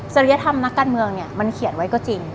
ริยธรรมนักการเมืองเนี่ยมันเขียนไว้ก็จริง